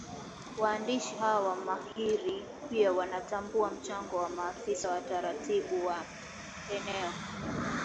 Waandishi hawa mahiri pia wanatambua mchango wa Maafisa Waratibu wa eneo